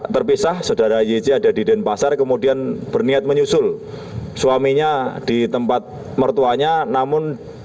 terpisah saudara yc ada di denpasar kemudian berniat menyusul suaminya di tempat mertuanya namun